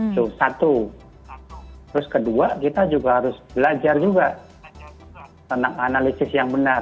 satu lalu kedua kita juga harus belajar juga tenang analisis yang benar